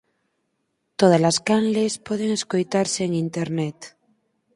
Todas as canles poden escoitarse en Internet.